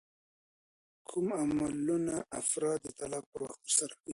کوم عملونه افراد د طلاق پر وخت ترسره کوي؟